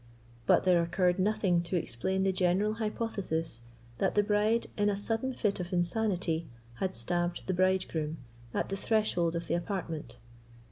But there occurred nothing to explain the general hypothesis that the bride, in a sudden fit of insanity, had stabbed the bridegroom at the threshold of the apartment.